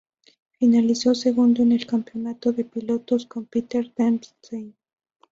Finalizó segundo en el campeonato de pilotos con Peter Dempsey.